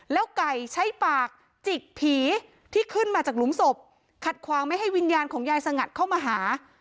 แล้วไก่ใช้ปากจิกผีที่ขึ้นมาจากหลุมศพขัดขวางไม่ให้วิญญาณของยายสงัดเข้ามาหา